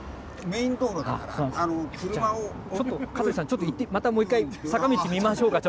ちょっと行ってまたもう一回坂道見ましょうか。